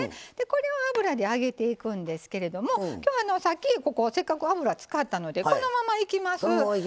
これを油で揚げていくんですけれどもさっきせっかく油を使ったのでこのままいきます。